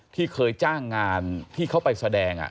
ที่เคยจ้างงานที่เขาไปแสดง